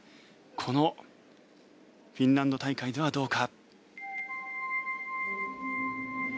このフィンランド大会ではどうか。